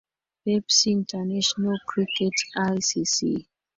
pepsi international cricket icc